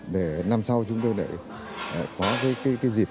để năm sau chúng ta lại có cái dịp có cơ hội để chúng ta ôn lại được